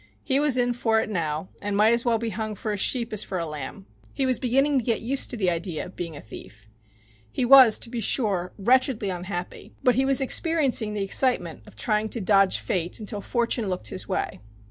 He was in for it now and might as well be hung for a sheep as for a lamb. He was beginning to get used to the idea of being a thief. He was, to be sure, wretchedly unhappy, but he was experiencing the excitement of trying to dodge Fate until Fortune looked his way.